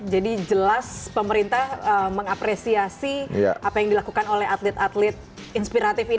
jadi jelas pemerintah mengapresiasi apa yang dilakukan oleh atlet atlet inspiratif ini ya